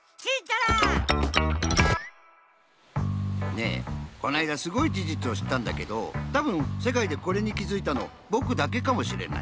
ねえこのあいだすごいじじつをしったんだけどたぶんせかいでこれにきづいたのぼくだけかもしれない。